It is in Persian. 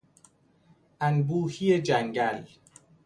انبوهی جنگل